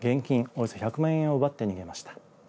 およそ１００万円を奪って逃げました。